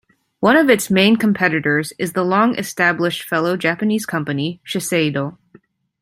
One of it's main competitors is the long established fellow Japanese company Shiseido.